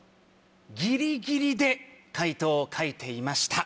ぎりぎりで解答を書いていました。